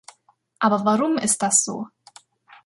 Aber warum ist das so?